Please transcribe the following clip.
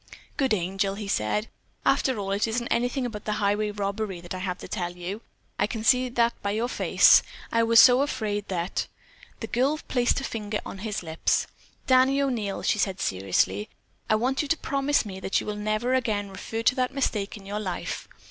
"Good angel," he said, "after all it isn't anything about the highway robbery that you have to tell. I can see that by your face. I was so afraid that——" The girl placed a finger on his lips. "Danny O'Neil," she said seriously, "I want you to promise me that you will never again refer to that mistake in your life.